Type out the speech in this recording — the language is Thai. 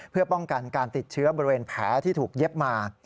เพื่อป้องกันการติดเชื้อบริเวณแผลที่ถูกเย็บมา